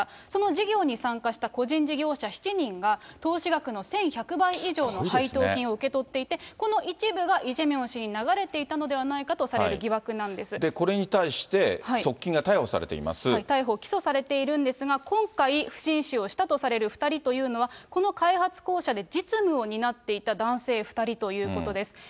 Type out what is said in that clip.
その事業に参加した個人事業者７人が、投資額の１１００倍以上の配当金を受け取っていて、この一部がイ・ジェミョン氏に流れていたのではとされる疑惑なんこれに対して側近が逮捕され逮捕・起訴されているんですが、今回不審死をしたとされる２人というのは、この開発公社で実務を担っていた男性２人ということです。